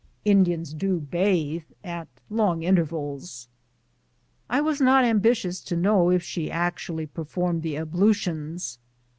Indians do bathe — at long intervals. I was not ambitious to know if she actually performed the ablutions.